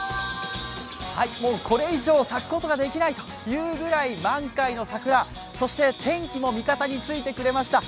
もう、これ以上咲くことができないというぐらい満開の桜、そして天気も味方についてくれました。